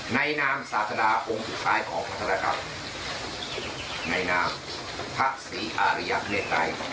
นามศาสดาองค์สุดท้ายของพัฒนากรรมในนามพระศรีอาริยพระเนธไตร